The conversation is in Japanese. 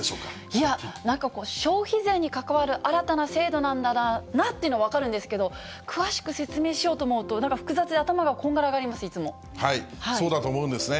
いや、なんか消費税に関わる新たな制度なんだなっていうのは分かるんですけど、詳しく説明しようと思うとなんか複雑で、頭がこんがらがります、そうだと思うんですね。